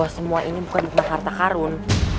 semua ini bukan harta karun